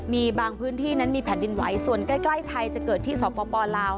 มีบางพื้นที่นั้นมีแผ่นดินไหวส่วนใกล้ไทยจะเกิดที่สปลาว